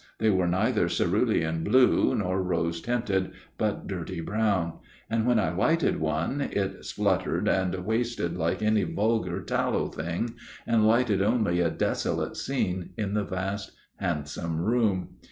they were neither cerulean blue nor rose tinted, but dirty brown; and when I lighted one, it spluttered and wasted like any vulgar tallow thing, and lighted only a desolate scene in the vast handsome room.